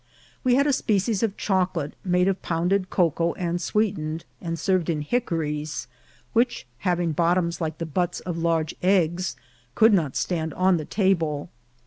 We had a species of chocolate, made of pounded cocoa and sweetened, and served in hickories, which, having bot toms like the butts of large eggs, could not stand on the table.